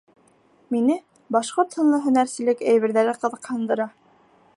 Мине башҡорт һынлы һөнәрселек әйберҙәре ҡыҙыҡһындыра.